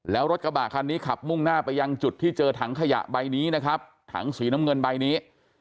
แล้วรถกระบะคันนี้ขับมุ่งหน้าไปยังจุดที่เจอถังขยะใบนี้นะครับถังสีน้ำเงินใบนี้